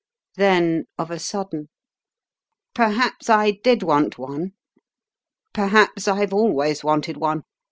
Then, of a sudden "Perhaps I did want one. Perhaps I've always wanted one.